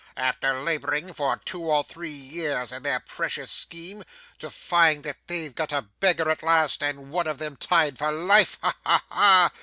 After labouring for two or three years in their precious scheme, to find that they've got a beggar at last, and one of them tied for life. Ha ha ha!